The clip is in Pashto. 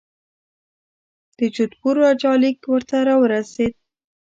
د جودپور راجا لیک ورته را ورسېد.